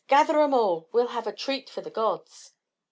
Gather 'em all; we'll have a treat for the gods."